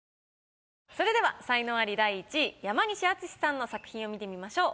それでは才能アリ第１位山西惇さんの作品を見てみましょう。